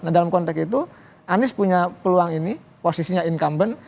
nah dalam konteks itu anies punya peluang ini posisinya incumbent